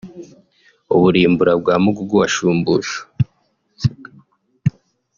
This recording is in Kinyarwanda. ’Uburimbura ‘bwa Mugugu wa Shumbusho